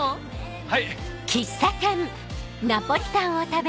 はい！